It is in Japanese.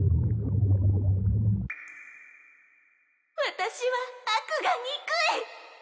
私は悪が憎い！